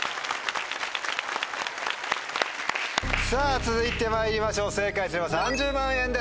さぁ続いてまいりましょう正解すれば３０万円です。